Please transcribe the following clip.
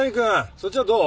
そっちはどう？